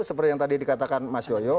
seperti yang tadi dikatakan mas yoyo